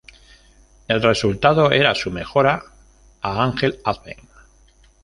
El resultado era su "mejora" a Angel Advent.